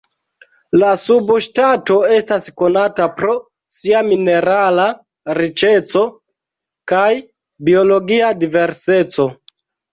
La subŝtato estas konata pro sia minerala riĉeco kaj biologia diverseco.